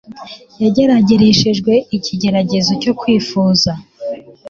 yageragereshejwe ikigeragezo cyo kwifuza,